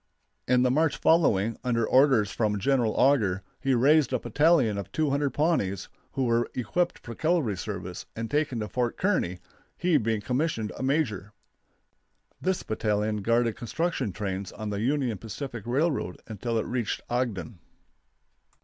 In the March following, under orders from General Auger, he raised a battalion of 200 Pawnees, who were equipped for cavalry service and taken to Fort Kearney, he being commissioned a major. This battalion guarded construction trains on the Union Pacific Railroad until it reached Ogden.